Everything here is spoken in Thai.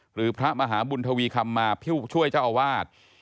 หรือพระมหาบุญทวีคำมาผู้ช่วยเจ้าอาวาส